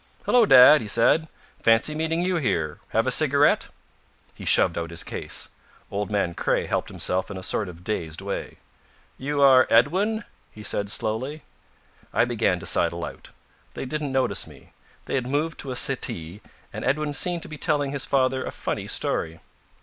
"Hullo, dad," he said. "Fancy meeting you here. Have a cigarette?" He shoved out his case. Old man Craye helped himself in a sort of dazed way. "You are Edwin?" he said slowly. I began to sidle out. They didn't notice me. They had moved to a settee, and Edwin seemed to be telling his father a funny story.